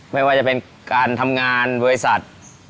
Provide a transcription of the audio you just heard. ไม่ว่าจะเป็นการทำงานบริษัท